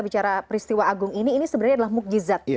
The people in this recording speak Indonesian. bicara peristiwa agung ini ini sebenarnya